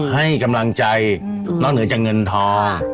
ให้กำลังใจนอกเหนือจากเงินทอง